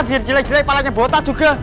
biar jelek jelek apalagi bota juga